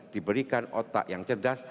diberikan otak yang cerdas